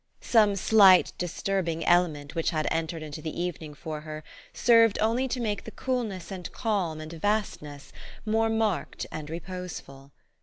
Some slight disturbing element which had entered into the evening for her, served only to make the coolness and calm and vastness more marked and reposeful.